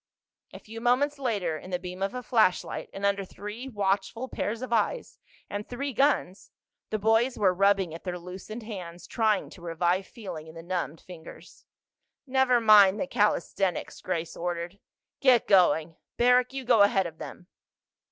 A few moments later, in the beam of a flashlight and under three watchful pairs of eyes and three guns, the boys were rubbing at their loosened hands, trying to revive feeling in the numbed fingers. "Never mind the calisthenics," Grace ordered. "Get going. Barrack, you go ahead of them."